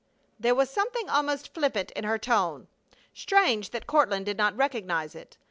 There was something almost flippant in her tone. Strange that Courtland did not recognize it.